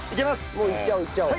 もういっちゃおういっちゃおう。